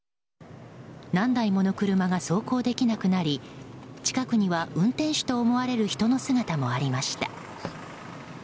何台もの車が走行できなくなり近くには、運転手と思われる人の姿もありました。